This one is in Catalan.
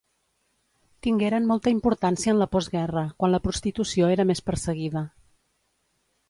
Tingueren molta importància en la postguerra quan la prostitució era més perseguida.